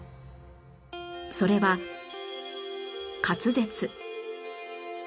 それは滑舌